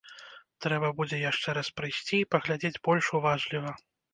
Трэба будзе яшчэ раз прыйсці і паглядзець больш уважліва.